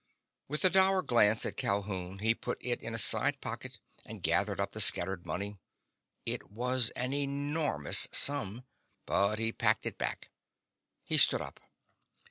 With a dour glance at Calhoun he put it in a side pocket and gathered up the scattered money. It was an enormous sum, but he packed it back. He stood up.